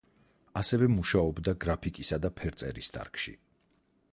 ასევე მუშაობდა გრაფიკისა და ფერწერის დარგში.